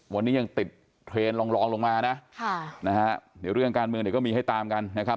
วันนี้ยังติดเทรนด์รองลงมานะค่ะนะฮะเดี๋ยวเรื่องการเมืองเดี๋ยวก็มีให้ตามกันนะครับ